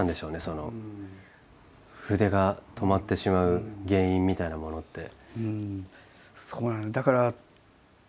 その筆が止まってしまう原因みたいなものって。